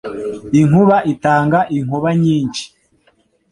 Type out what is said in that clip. Inkuba itanga inkuba nyinshi